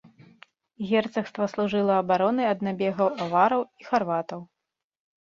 Герцагства служыла абаронай ад набегаў авараў і харватаў.